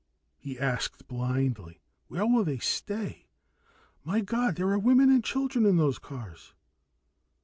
he asked blindly. "Where will they stay? My God, there are women and children in those cars!"